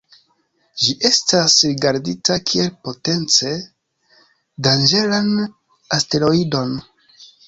Ĝi estas rigardita kiel potence danĝeran asteroidon.